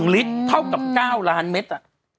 ลิตรเท่ากับ๙ล้านเมตร